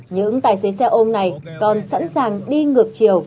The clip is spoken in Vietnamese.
những tài xế xe ôm này còn sẵn sàng đi ngược chiều